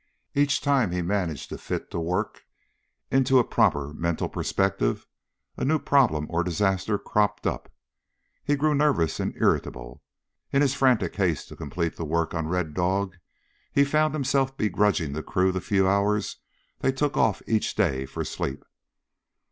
Each time he managed to fit the work into a proper mental perspective a new problem or disaster cropped up. He grew nervous and irritable. In his frantic haste to complete the work on Red Dog he found himself begrudging the crew the few hours they took off each day for sleep.